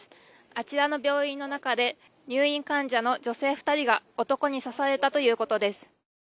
あちらの病院の中で入院患者の女性２人が男に刺されたということです。